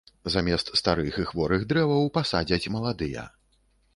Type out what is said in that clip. Замест старых і хворых дрэваў пасадзяць маладыя.